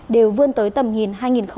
đều vươn tới tầm nhìn hai nghìn hai mươi năm